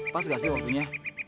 pas gak sih waktunya